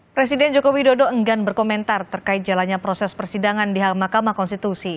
presiden jokowi dodo enggan berkomentar terkait jalannya proses persidangan di hak makamah konstitusi